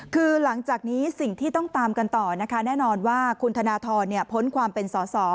คือหลังจากนี้สิ่งที่ต้องตามกันต่อนะคะแน่นอนว่าคุณธนทรพ้นความเป็นสอสอ